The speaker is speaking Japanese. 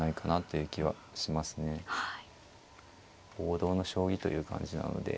王道の将棋という感じなので。